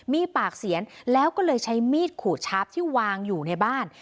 มีปากเสียงแล้วก็เลยใช้มีดขูดชาร์ฟที่วางอยู่ในบ้าน